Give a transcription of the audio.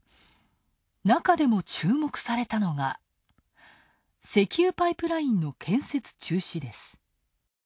中でも注目されたのが石油パイプラインの建設中止です。